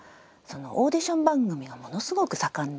オーディション番組がものすごく盛んで。